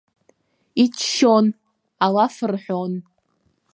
Иччон, алаф рҳәон.